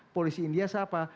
polisi india siapa